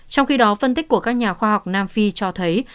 trong khi đó phân tích của các nhà khoa học nam phi cho thấy